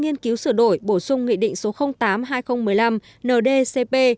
nghiên cứu sửa đổi bổ sung nghị định số tám hai nghìn một mươi năm ndcp